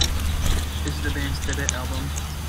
This is the band's debut album.